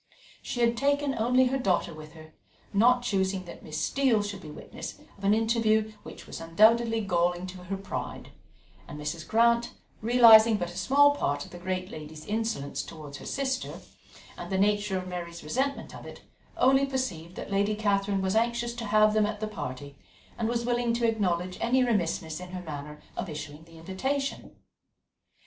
She had taken only her daughter with her, not choosing that Miss Steele should be a witness of an interview which was undoubtedly galling to her pride; and Mrs. Grant, realizing but a small part of the great lady's insolence towards her sister, and the nature of Mary's resentment of it, only perceived that Lady Catherine was anxious to have them at the party, and was willing to acknowledge any remissness in her manner of issuing the invitation.